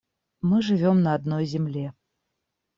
Мы живем на одной земле.